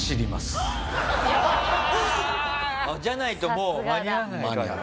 じゃないと間に合わないから？